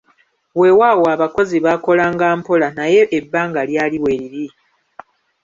Weewaawo abakozi baakolanga mpola naye ebbanga lyali weeriri.